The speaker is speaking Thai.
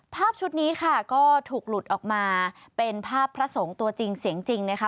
ภาพชุดนี้ค่ะก็ถูกหลุดออกมาเป็นภาพพระสงฆ์ตัวจริงเสียงจริงนะคะ